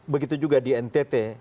begitu juga di ntt